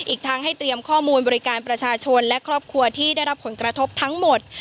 อีกทั้งให้เตรียมข้อมูลบริการประชาชนและครอบครัวที่ได้รับผลกระทบทั้งหมด